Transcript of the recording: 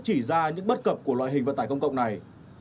chỉ ra những bất cập của loại hình vận tải công cộng này